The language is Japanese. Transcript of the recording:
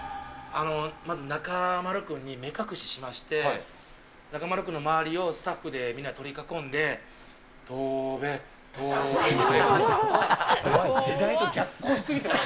まず中丸君に目隠ししまして、中丸君の周りをスタッフでみんな取り囲んで、時代と逆行し過ぎてます。